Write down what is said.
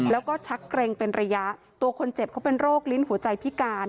แล้วก็ชักเกร็งเป็นระยะตัวคนเจ็บเขาเป็นโรคลิ้นหัวใจพิการ